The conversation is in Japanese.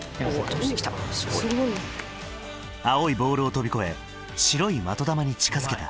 青いボールを飛び越え白い的球に近づけた。